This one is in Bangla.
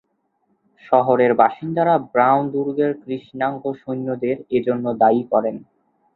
শহরের বাসিন্দারা ব্রাউন দুর্গের কৃষ্ণাঙ্গ সৈন্যদের এজন্য দায়ী করেন।